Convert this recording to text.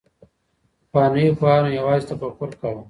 پخوانيو پوهانو يوازي تفکر کاوه.